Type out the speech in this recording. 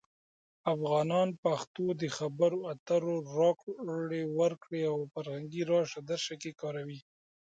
افغانان پښتو د خبرو اترو، راکړې ورکړې، او فرهنګي راشه درشه کې کاروي.